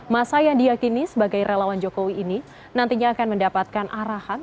masa yang diakini sebagai relawan jokowi ini nantinya akan mendapatkan arahan